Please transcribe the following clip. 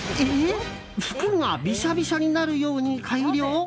服がビシャビシャになるように改良？